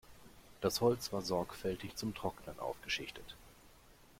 Das Holz war sorgfältig zum Trocknen aufgeschichtet.